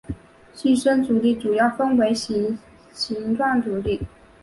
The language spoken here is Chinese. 寄生阻力主要可以分为形状阻力。